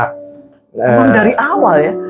memang dari awal ya